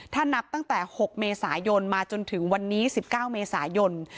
ถ้านับตั้งแต่๖เมษายนมาจนถึงวันนี้๑๙เมษายน